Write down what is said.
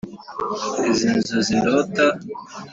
Izi nzozi ndota,